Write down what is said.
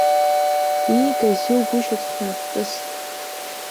Иигаз иаугәышьеит хнырҳәтәыс.